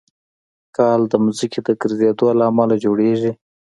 کال د ځمکې د ګرځېدو له امله جوړېږي.